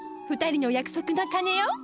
２人の約束の鐘よ。